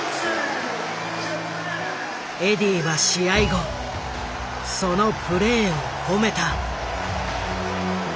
エディーは試合後そのプレーを褒めた。